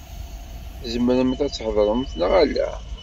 Tzemremt ad theḍṛemt neɣ ala?